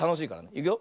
いくよ。